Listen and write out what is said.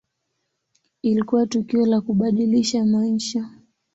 Ilikuwa tukio la kubadilisha maisha.